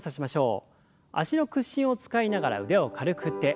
脚の屈伸を使いながら腕を軽く振って。